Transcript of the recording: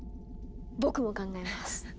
僕も考えます！